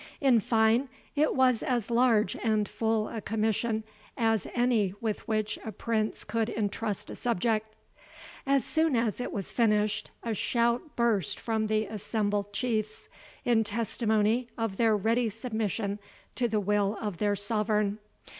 In fine, it was as large and full a commission as any with which a prince could intrust a subject. As soon as it was finished, a shout burst from the assembled Chiefs, in testimony of their ready submission to the will of their sovereign.